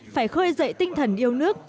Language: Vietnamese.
phải khơi dậy tinh thần yêu nước